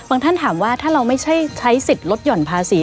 ท่านถามว่าถ้าเราไม่ใช่ใช้สิทธิ์ลดหย่อนภาษี